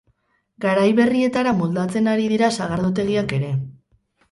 Garai berrietara moldatzen ari dira sagardotegiak ere.